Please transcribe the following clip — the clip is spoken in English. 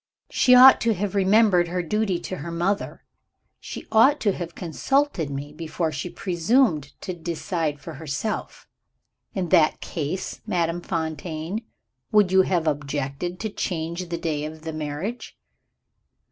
"She ought to have remembered her duty to her mother. She ought to have consulted me, before she presumed to decide for herself." "In that case, Madame Fontaine, would you have objected to change the day of the marriage?"